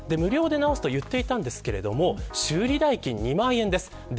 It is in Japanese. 無料で直すと言っていたんですが修理代金２万円です。